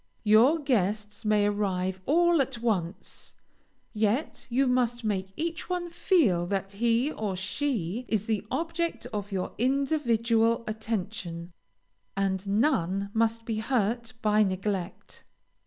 Your guests may arrive all at once, yet you must make each one feel that he or she is the object of your individual attention, and none must be hurt by neglect.